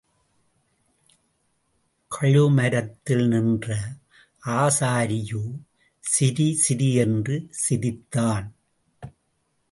கழுமரத்தில் நின்ற ஆசாரியோ சிரி சிரி என்று சிரித்தான்.